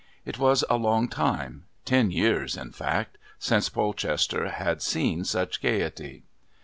It was a long time ten years, in fact since Polchester had seen such gaiety.